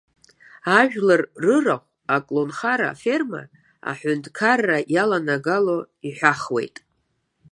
Ажәлар рырахә, аколнхара аферма, аҳәынҭқарра иаланагало иҳәахуеит.